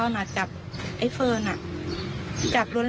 และที่สำคัญก็มีอาจารย์หญิงในอำเภอภูสิงอีกเหมือนกัน